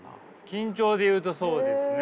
緊張でいうとそうですね。